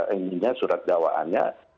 ini ya surat dawaannya